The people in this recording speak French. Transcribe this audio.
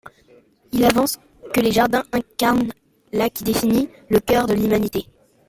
Il avance que les jardins incarnent la qui définit le cœur de l'humanité.